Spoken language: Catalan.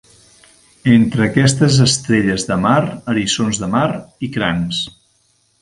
Entre aquestes estrelles de mar, eriçons de mar i crancs.